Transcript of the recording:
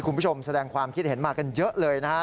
คุณผู้ชมแสดงความคิดเห็นมากันเยอะเลยนะฮะ